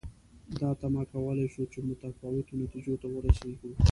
دا تمه کولای شو چې متفاوتو نتیجو ته ورسېږو.